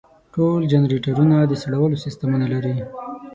ټول جنریټرونه د سړولو سیستمونه لري.